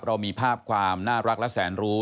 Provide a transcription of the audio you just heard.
เรามีภาพความน่ารักและแสนรู้